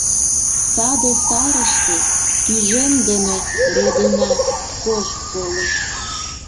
Саде сарыште тӱжем дене рӧдына кож колыш.